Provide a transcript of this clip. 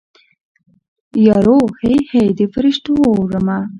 یارو هی هی د فریشتو اورمه